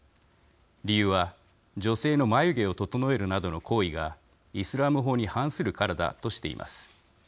理由は女性の眉毛を整えるなどの行為がイスラム法に反するからだとしています。